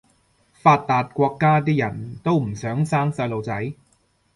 發達國家啲人都唔想生細路仔